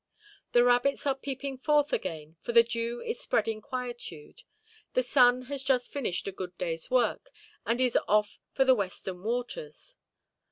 The rabbits are peeping forth again, for the dew is spreading quietude: the sun has just finished a good dayʼs work and is off for the western waters.